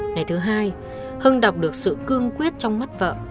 ngày thứ hai hưng đọc được sự cương quyết trong mắt vợ